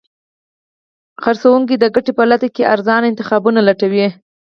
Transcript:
پیرودونکی د ګټې په لټه کې ارزانه انتخابونه لټوي.